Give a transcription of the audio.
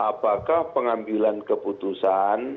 apakah pengambilan keputusan